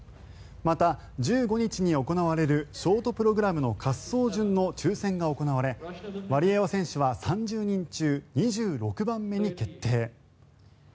また、１５日に行われるショートプログラムの滑走順の抽選が行われワリエワ選手は３０人中２６番目に決定。